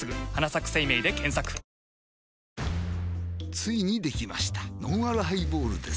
ついにできましたのんあるハイボールです